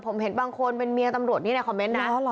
ผมเห็นบางคนเป็นเมียตำรวจนี่ในคอมเมนต์นะ